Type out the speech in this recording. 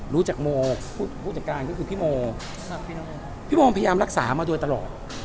รู้จักโมผู้จัดการก็คือพี่โมพี่โมพยายามรักษามาโดยตลอด